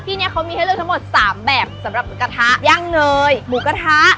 ที่นี้เขามีให้เลือกทั้งหมด๓แบบสำหรับหมูกระทะย่างเนยหมูกระทะ